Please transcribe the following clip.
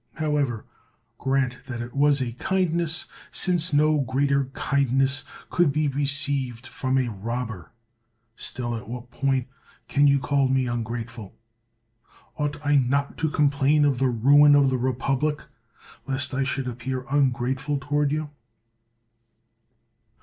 However, grant that it was a kindness, since no greater kindness could be received from a robber; still in what point can you call me ungrateful ? Ought I not to complain of the ruin of the republic, lest I should appear ungrateful toward you?